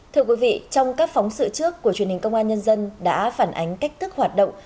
thưa quý vị trong các phóng sự trước của truyền hình công an nhân dân đã phản ánh cách thức hoạt động